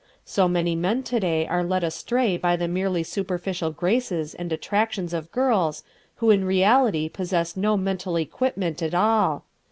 So many men to day are led astray by the merely superficial graces and attractions of girls who in reality possess no mental equipment at all.